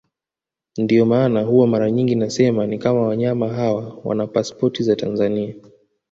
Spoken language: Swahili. Ndio maana huwa mara nyingi nasema ni kama wanyama hawa wana pasipoti za Tanzania